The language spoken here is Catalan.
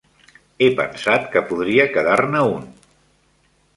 He pensat que podria quedar-ne un.